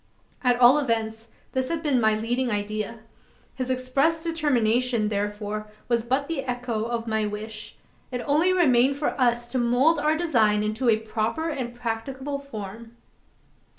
At all events, this had been my leading idea. His expressed determination, therefore, was but the echo of my wish. It only remained for us to mould our design into a proper and practicable form.